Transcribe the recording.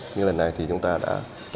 nhưng lần này thì chúng ta đã tạo được kết quả